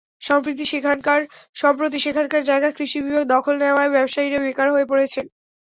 সম্প্রতি সেখানকার জায়গা কৃষি বিভাগ দখল নেওয়ায় ব্যবসায়ীরা বেকার হয়ে পড়েছেন।